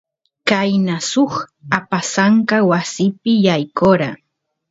qayna suk apasanka wasipi yaykora